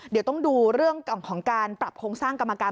เดี๋ยวต้องดูเรื่องของการปรับโครงสร้างกรรมการ